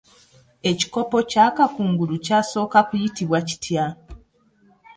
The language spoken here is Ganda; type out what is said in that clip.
Ekikopo kya Kakungulu kyasooka kuyitibwa kitya?